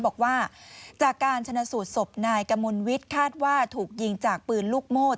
บอกว่าจากการชนะสูตรศพนายกมลวิทย์คาดว่าถูกยิงจากปืนลูกโมด